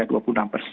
jadi tinggi sekali